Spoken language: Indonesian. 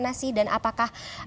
apakah kriminalisasi dan apakah